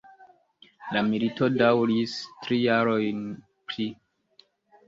La milito daŭris tri jarojn pli.